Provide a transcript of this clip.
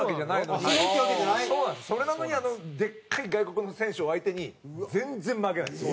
それなのにでっかい外国の選手を相手に全然負けないです。